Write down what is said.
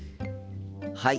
はい。